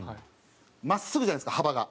真っすぐじゃないですか幅が。